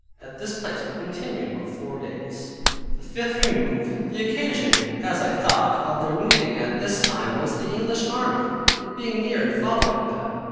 At this place we continued about four days. THE FIFTH REMOVE The occasion (as I thought) of their moving at this time was the English army, it being near and following them.